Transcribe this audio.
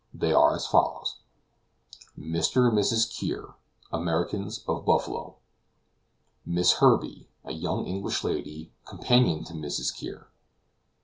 They are as follows: Mr. and Mrs. Kear, Americans, of Buffalo. Miss Herbey, a young English lady, companion to Mrs. Kear.